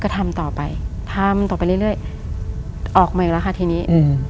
ก็ทำต่อไปทำต่อไปเรื่อยเรื่อยออกมาอีกแล้วค่ะทีนี้อืม